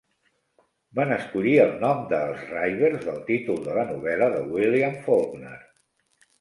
Van escollir el nom de "Els Reivers" del títol de la novel·la de William Faulkner.